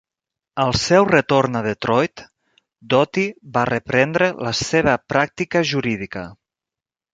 Al seu retorn a Detroit, Doty va reprendre la seva pràctica jurídica.